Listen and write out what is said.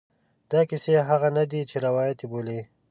دا کیسې هغه نه دي چې روایت یې بولي.